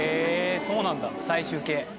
そうなんだ最終形。